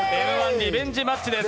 リベンジマッチです。